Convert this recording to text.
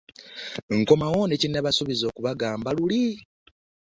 Nkomawo ne kye nabasuubiza okubagamba luli.